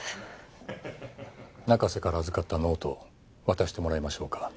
中瀬から預かったノートを渡してもらいましょうか。